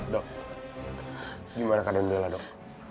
dokter gimana keadaan bella dokter